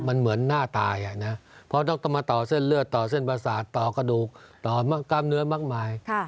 มันเหมือนหน้าตายอ่ะนะเพราะต้องมาต่อเส้นเลือดต่อเส้นประสาทต่อกระดูกต่อกล้ามเนื้อมากมาย